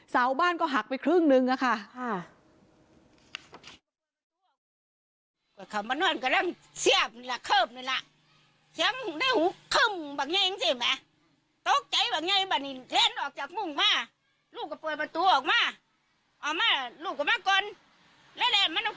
ขั้นข้าวกันดูนาบรรย์นี้เช้าเยี่ยมจักรความเกิดฮัก